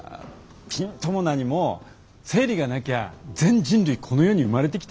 ピンとも何も生理がなきゃ全人類この世に生まれてきてないんですよ？